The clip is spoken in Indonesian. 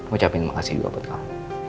ucapin makasih juga buat kamu